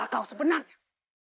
apa kau sebenarnya